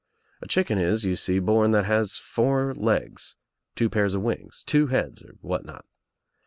A chicken is, you see, born that has four legs, two pairs of wings, two heads or what not.